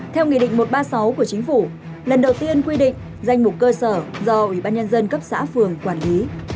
theo nghị định một trăm ba mươi sáu của chính phủ lần đầu tiên quy định danh mục cơ sở do ủy ban nhân dân cấp xã phường quản lý